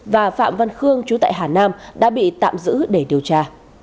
và phạm văn khương chú tại hà nam đã bị tạm giữ để điều tra